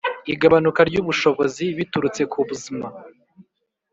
igabanuka ry ubushobozi biturutse ku buzma